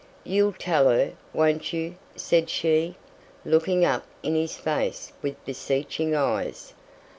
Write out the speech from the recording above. "You'll tell her, won't you?" said she, looking up in his face with beseeching eyes.